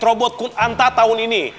robot kunanta tahun ini